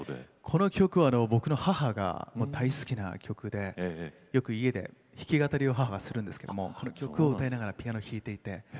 この曲は僕の母が大好きな曲でよく家で弾き語りを母はするんですけどこの曲を歌いながらピアノを弾いていて。